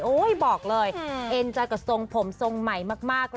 โอ้ยบอกเลยเอ็นจากส่งผมส่งใหม่มาก